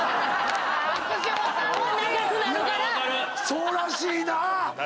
そうらしいなぁ。